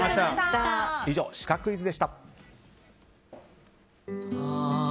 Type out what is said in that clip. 以上、シカクイズでした。